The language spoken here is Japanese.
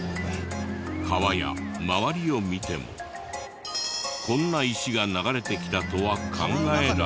川や周りを見てもこんな石が流れてきたとは考えられない。